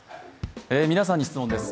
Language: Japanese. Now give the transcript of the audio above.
皆さんに質問です。